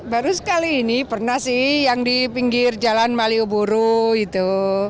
baru sekali ini pernah sih yang di pinggir jalan malioboro itu